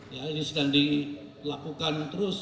ini sedang dilakukan terus